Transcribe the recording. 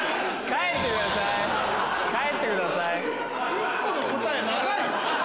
帰ってください。